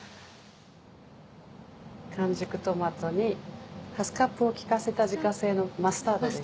完熟トマトにハスカップを利かせた自家製のマスタードです。